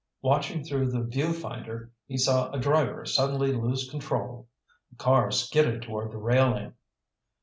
Watching through the viewfinder, he saw a driver suddenly lose control. A car skidded toward the railing.